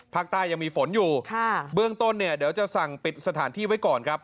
ภาคใต้ยังมีฝนอยู่ค่ะเบื้องต้นเนี่ยเดี๋ยวจะสั่งปิดสถานที่ไว้ก่อนครับ